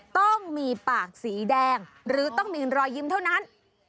ต้องมีปากสีแดงหรือต้องมีรอยยิ้มเท่านั้น